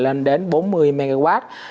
lên đến bốn mươi mw